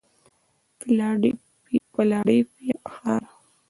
فیلادلفیا ښار